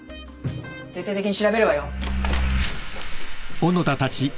徹底的に調べるわよ。